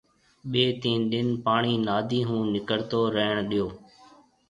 ٻيَ تين ڏِن پاڻيَ نادِي هو نڪرتو ريڻ ڏيو